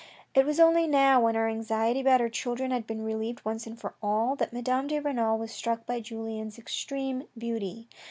It was only now, when her anxiety about her children had been relieved once and for all, that Madame de Renal was struck by Julien's extreme beauty.